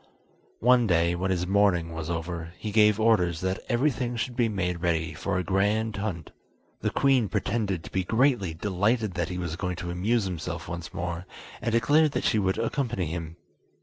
One day, when his mourning was over, he gave orders that everything should be made ready for a grand hunt. The queen pretended to be greatly delighted that he was going to amuse himself once more, and declared that she would accompany him.